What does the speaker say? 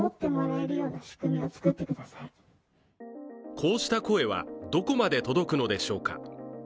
こうした声はどこまで届くのでしょうか。